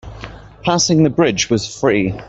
Passing the bridge was free.